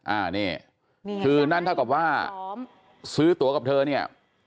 อ่านี่คือนั่นเท่ากับว่าซื้อตัวกับเธอเนี่ย